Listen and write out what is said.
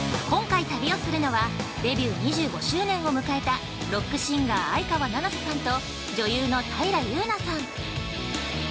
今回、旅をするのは、デビュー２５周年を迎えたロックシンガー相川七瀬さんと女優の平祐奈さん。